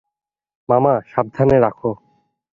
মামা, সাবধানে রাখো।